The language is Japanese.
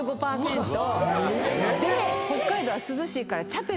で北海道涼しいから。